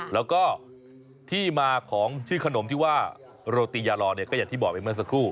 แล้วก็ที่มาของชื่อขนมที่ว่าโรติยาลอเนี่ยก็อย่างที่บอกไปเมื่อสักครู่